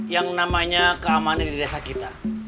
yang namanya keamanan di desa kita